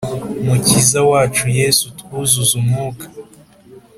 mukiza wacu yesu, utwuzuz' umwuka,